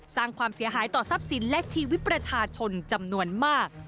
สร้างความเสียหายต่อทรัพย์สินและชีวิตประชาชนจำนวนมาก